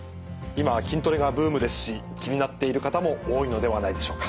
今は筋トレがブームですし気になっている方も多いのではないでしょうか。